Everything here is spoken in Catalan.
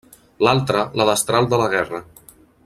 L'altre, la destral de la guerra.